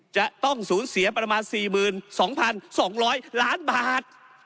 จะต้องสูญเสียประมาณ๔๒๒๐๐ล้านบาท